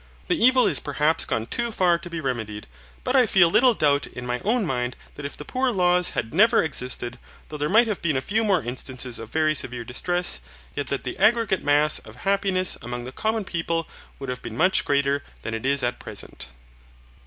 The evil is perhaps gone too far to be remedied, but I feel little doubt in my own mind that if the poor laws had never existed, though there might have been a few more instances of very severe distress, yet that the aggregate mass of happiness among the common people would have been much greater than it is at present.